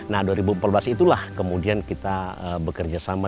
nah dua ribu empat belas itulah kemudian kita bekerja sama